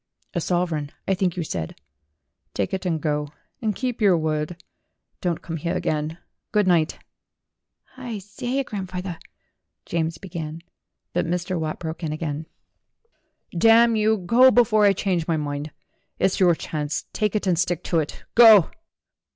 "A sovereign, I think you said. Take it and go. And keep your word. Don't come here again. Good night." "Hi sye, grandfawther!" James began. But Mr. Watt broke in again : 164 STORIES WITHOUT TEARS "Damn you! Go before I change my mind. It's your chance ; take it and stick to it. Go